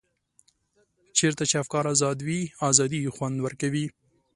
چېرته چې افکار ازاد وي ازادي خوند ورکوي.